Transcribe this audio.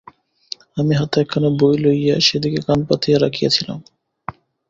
আমি হাতে একখানা বই লইয়া সেদিকে কান পাতিয়া রাখিয়াছিলাম।